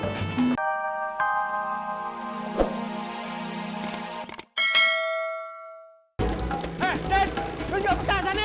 eh den tunjuk buka sana ya